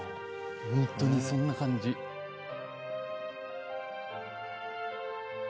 ホントにそんな感じうわ